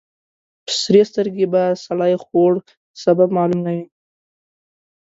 په سرې سترګې به سړی خوړ. سبب معلوم نه و.